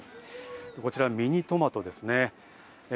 こちら、ミニトマトですね。